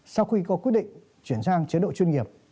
sau khi có quyết định chuyển sang chế độ chuyên nghiệp